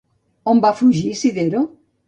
On va fugir Sidero?